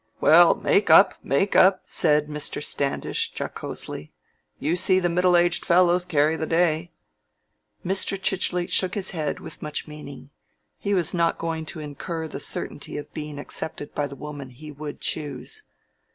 "Well, make up, make up," said Mr. Standish, jocosely; "you see the middle aged fellows carry the day." Mr. Chichely shook his head with much meaning: he was not going to incur the certainty of being accepted by the woman he would choose.